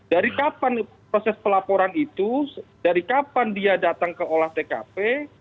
dari kapan proses pelaporan itu dari kapan dia datang ke olah tkp